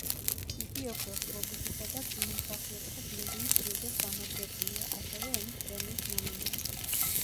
იგი ოქროს გლობუსისა და კინომსახიობთა გილდიის ჯილდოს გამარჯვებულია, ასევე ემის პრემიის ნომინანტი.